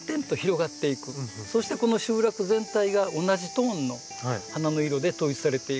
そしてこの集落全体が同じトーンの花の色で統一されていく。